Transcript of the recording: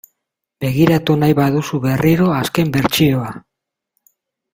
Begiratu nahi baduzu berriro azken bertsioa .